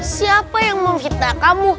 siapa yang memfitnah kamu